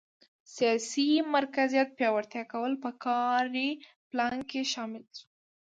سیاسي مرکزیت پیاوړي کول په کاري پلان کې شامل شو.